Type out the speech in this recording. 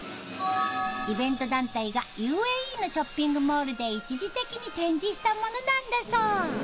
イベント団体がＵＡＥのショッピングモールで一時的に展示したものなんだそう。